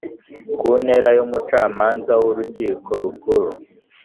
Ku ntera y umucamanza w urukiko rukuru